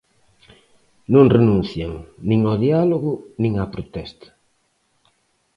Non renuncian nin ao diálogo nin á protesta.